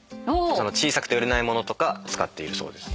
小さくて売れない物とか使っているそうです。